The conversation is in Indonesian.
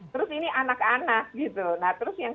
terus ini anak anak gitu